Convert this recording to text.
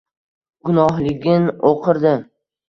Gunohligin o’qirdi.